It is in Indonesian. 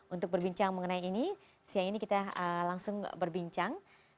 untuk berbincang mengenai ini siang ini kita langsung berbincang